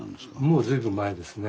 もう随分前ですね。